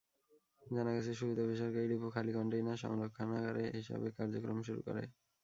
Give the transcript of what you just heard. জানা গেছে, শুরুতে বেসরকারি ডিপো খালি কনটেইনার সংরক্ষণাগার হিসেবে কার্যক্রম শুরু করে।